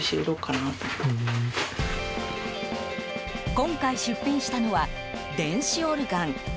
今回出品したのは電子オルガン。